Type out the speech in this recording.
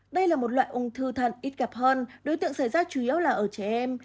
đây là một loại ung thư thận ít gặp hơn đối tượng xảy ra chủ yếu là ở trẻ em